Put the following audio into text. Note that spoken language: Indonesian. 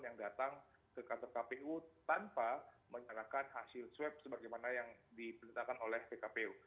yang datang ke kantor kpu tanpa menyerahkan hasil swab sebagaimana yang diperintahkan oleh pkpu